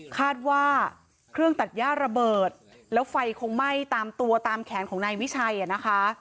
คาดว่าเครื่องตัดย่าระเบิดแล้วไฟคงไหม้ตามตัวตามแขนของนายวิชัยอ่ะนะคะ